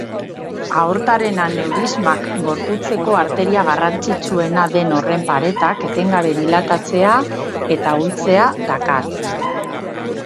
Aortaren aneurismak gorputzeko arteria garrantzitsuena den horren paretak etengabe dilatatzea eta ahultzea dakar.